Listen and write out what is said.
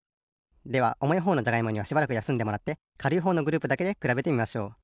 ではおもいほうのじゃがいもにはしばらくやすんでもらってかるいほうのグループだけでくらべてみましょう。